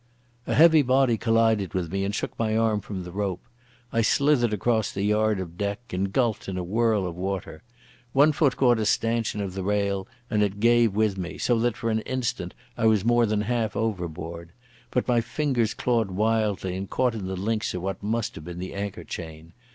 A heavy body collided with me and shook my arm from the rope. I slithered across the yard of deck, engulfed in a whirl of water. One foot caught a stanchion of the rail, and it gave with me, so that for an instant I was more than half overboard. But my fingers clawed wildly and caught in the links of what must have been the anchor chain.